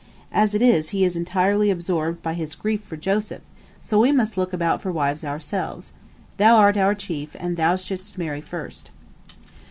As it is, he is entirely absorbed by his grief for Joseph, and we must look about for wives ourselves. Thou art our chief, and thou shouldst marry first."